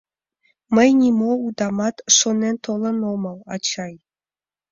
Мый нимо удамат шонен толын омыл, ачай.